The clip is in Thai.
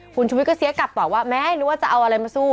คุณชุวิตก็เสียกลับตอบว่าแม้รู้ว่าจะเอาอะไรมาสู้